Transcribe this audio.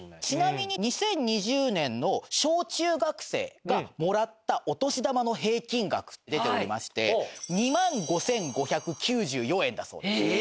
ちなみに２０２０年の小中学生がもらったお年玉の平均額出ておりまして２万５５９４円だそうです。